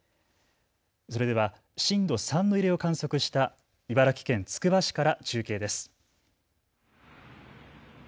それでは震度３の揺れを観測した茨城県つくば市から中継です。